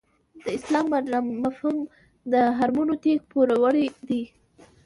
د اسلام مډرن فهم د هرمنوتیک پوروړی دی.